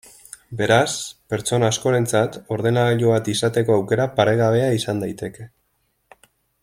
Beraz, pertsona askorentzat ordenagailu bat izateko aukera paregabea izan daiteke.